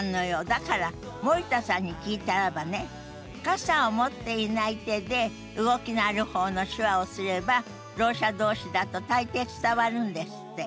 だから森田さんに聞いたらばね傘を持っていない手で動きのある方の手話をすればろう者同士だと大抵伝わるんですって。